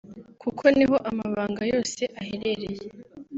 kuko niho amabanga yose aherereye